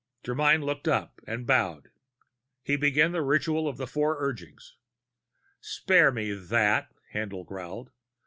Germyn stood up and bowed. He began the ritual Four Urgings. "Spare me that," Haendl growled.